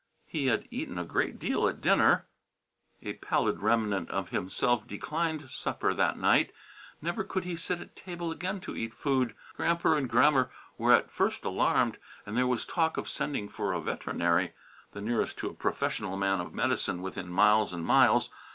He had eaten a great deal at dinner.... A pallid remnant of himself declined supper that night. Never could he sit at table again to eat of food. Gramper and Grammer were at first alarmed and there was talk of sending for a veterinary, the nearest to a professional man of medicine within miles and miles.